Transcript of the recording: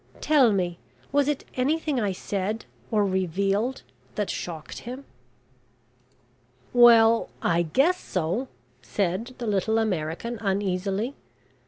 Tell me, was it anything I said or revealed that shocked him?" "Well I guess so," said the little American, uneasily.